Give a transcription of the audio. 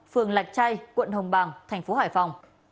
phường lạch chay quận hồng bàng thành phố hải phòng